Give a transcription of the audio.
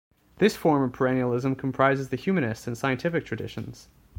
This form of perennialism comprises the humanist and scientific traditions.